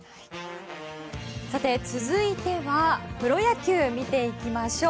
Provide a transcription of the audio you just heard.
続いてはプロ野球を見ていきましょう。